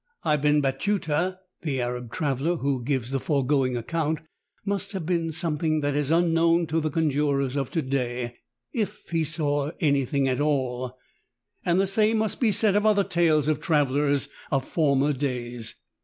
Ibn Batuta, the Arab trav eler, who gives the foregoing aceount, must have been something that is unknown to the conjurers of to day — if he saw anything at all — and the same must be said of other tales of travelers ol' former days.